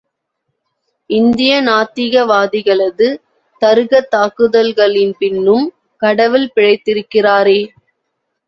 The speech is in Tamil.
இந்திய நாத்திகவாதிகளது தருக்கத் தாக்குதல்களின் பின்னும் கடவுள் பிழைத்திருக்கிறாரே!